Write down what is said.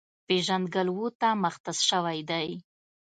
پېژنګلو ته مختص شوی دی،